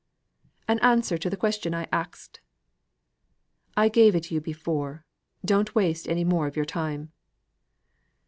"An answer to th' question I axed." "I gave it you before. Don't waste any more of your time."